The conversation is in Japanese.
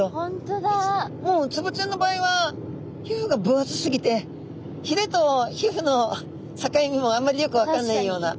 もうウツボちゃんの場合は皮膚が分厚すぎてひれと皮膚の境目もあんまりよく分かんないような。